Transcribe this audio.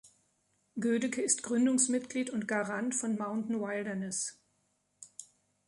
Goedeke ist Gründungsmitglied und Garant von Mountain Wilderness.